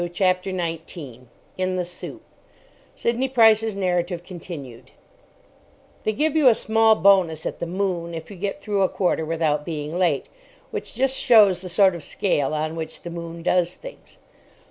CHAPTER 19 IN THE SOUP (Sidney Price's narrative continued) They give you a small bonus at the "Moon" if you get through a quarter without being late, which just shows the sort of scale on which the "Moon" does things.